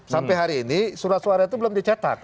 sampai hari ini surat suara itu belum dicetak